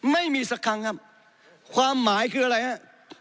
ไม่มีสักครั้งครับความหมายคืออะไรฮะ